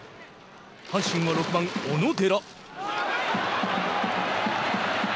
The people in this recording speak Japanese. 阪神は６番小野寺。